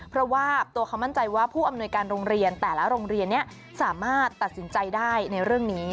เพราะว่าตัวเขามั่นใจว่าผู้อำนวยการโรงเรียนแต่ละโรงเรียนนี้สามารถตัดสินใจได้ในเรื่องนี้